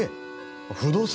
不動産？